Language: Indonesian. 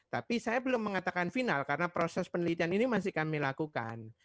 tapi saya belum mengatakan final karena proses penelitian ini masih kami lakukan